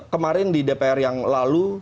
kemarin di dpr yang lalu